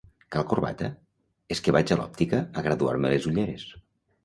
Cal corbata? És que vaig a l'òptica a graduar-me les ulleres...